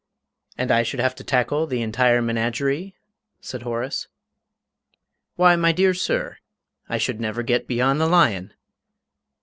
"And I should have to tackle the entire menagerie?" said Horace. "Why, my dear sir, I should never get beyond the lion!"